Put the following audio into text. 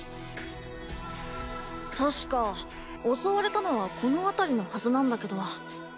たしか襲われたのはこのあたりのはずなんだけど。